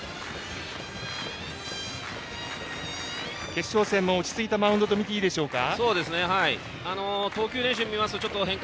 決勝戦も落ち着いたマウンドと見ていいでしょうか。